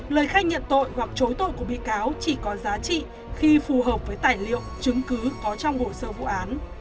lời khai nhận tội hoặc chối tội của bị cáo chỉ có giá trị khi phù hợp với tài liệu chứng cứ có trong hồ sơ vụ án